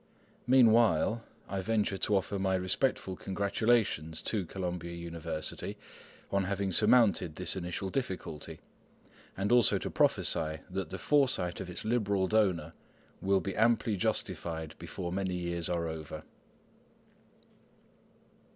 Meanwhile, I venture to offer my respectful congratulations to Columbia University on having surmounted this initial difficulty, and also to prophesy that the foresight of the liberal donor will be amply justified before many years are over.